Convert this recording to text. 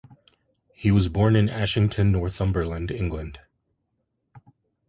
He was born in Ashington, Northumberland, England.